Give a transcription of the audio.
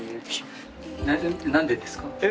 何でですか？